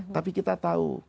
tapi kita tahu